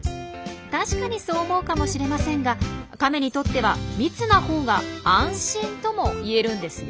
確かにそう思うかもしれませんがカメにとっては「密」なほうが安心とも言えるんですよ。